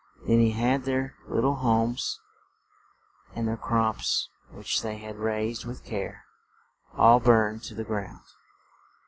Then he had their lit tle homes, and their crops which they had raised with care, all burned to the ground.